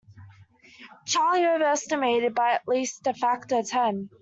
Charlie overestimated by at least a factor of ten.